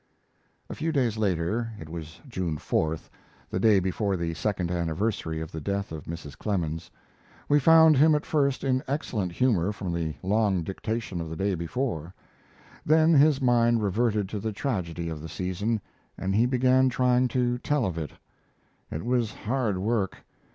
A few days later it was June 4th, the day before the second anniversary of the death of Mrs. Clemens we found him at first in excellent humor from the long dictation of the day before. Then his mind reverted to the tragedy of the season, and he began trying to tell of it. It was hard work.